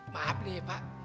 maaf nih pak